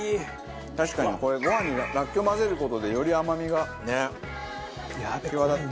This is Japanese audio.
確かにこれご飯にらっきょう混ぜる事でより甘みが際立って。